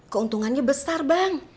keuntungannya besar bang